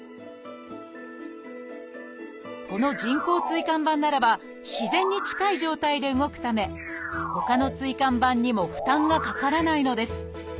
この人工椎間板ならば自然に近い状態で動くためほかの椎間板にも負担がかからないのです